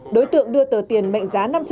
đối tượng đưa tờ tiền mệnh giá năm trăm linh